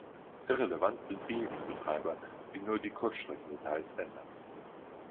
Irrelevant sind diejenigen Betreiber, die nur die Kurzstreckendetails ändern.